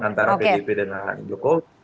antara pdp dan rakyat joko